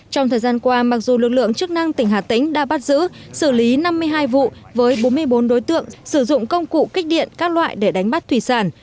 trong thời gian qua mặc dù lực lượng chức năng tỉnh hà tĩnh đã bắt giữ xử lý năm mươi hai vụ với bốn mươi bốn đối tượng sử dụng công cụ kích điện các loại để đánh bắt thủy sản